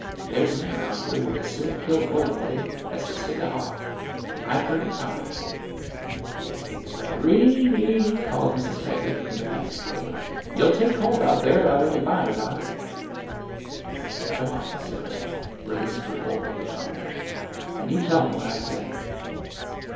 ''There 's men around here would as soon kill Gordon Lay as to stick a hawg. I 've heard 'em talk !"" Re e nie !" called Mrs. Taggart from the passage way, " you 'll take cold out thar 'thout any bonnet on." " Go on !" said Rene, releasing her hold of the pommel. '' And you tell him what I say